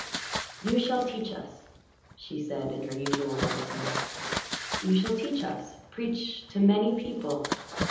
"You shall teach us," she said in her usual monotone. "You shall teach us preach to many people.